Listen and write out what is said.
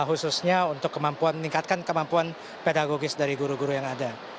khususnya untuk kemampuan meningkatkan kemampuan pedagogis dari guru guru yang ada